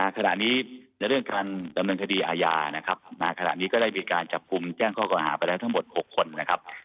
ขณะนี้ในเรื่องการดำเนินคดีอาญานะครับณขณะนี้ก็ได้มีการจับกลุ่มแจ้งข้อเก่าหาไปแล้วทั้งหมด๖คนนะครับ